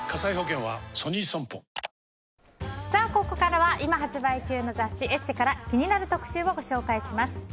ここからは今発売中の雑誌「ＥＳＳＥ」から気になる特集をご紹介します。